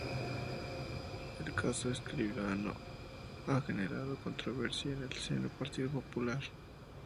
El caso Escribano ha generado controversia en el seno del Partido Popular.